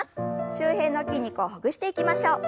周辺の筋肉をほぐしていきましょう。